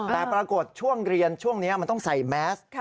แต่ปรากฏช่วงเรียนช่วงนี้มันต้องใส่แมส